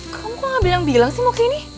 kamu kok gak bilang bilang sih mau kesini